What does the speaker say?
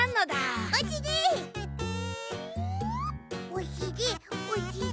おしりおしり！